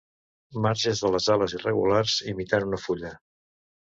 Marges de les ales irregulars, imitant una fulla.